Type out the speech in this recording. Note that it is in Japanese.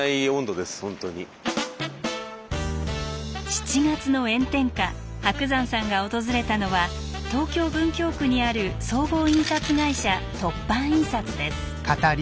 ７月の炎天下伯山さんが訪れたのは東京・文京区にある総合印刷会社凸版印刷です。